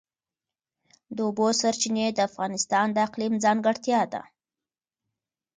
د اوبو سرچینې د افغانستان د اقلیم ځانګړتیا ده.